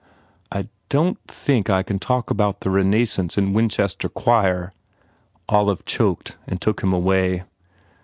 "I don t think I can talk about the Renascence in Winchester choir," Olive choked and took him away.